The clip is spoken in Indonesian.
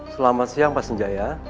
selamat siang pak senjaya